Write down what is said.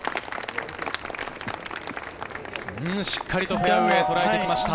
しっかりとフェアウエーをとらえてきました。